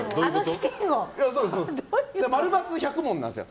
○×１００問なんですよ